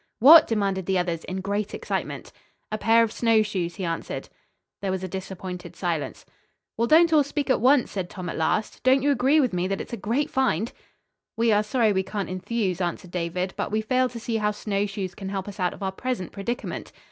"What?" demanded the others in great excitement. "A pair of snowshoes," he answered. There was a disappointed silence. "Well, don't all speak at once," said Tom at last. "Don't you agree with me that it's a great find?" "We are sorry we can't enthuse," answered David, "but we fail to see how snow shoes can help us out of our present predicament."